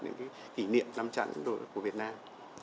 những cái kỷ niệm năm chẳng của việt nam